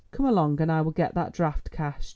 Come along and I will get that draft cashed.